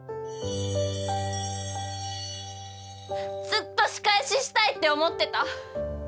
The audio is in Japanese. ずっと仕返ししたいって思ってた。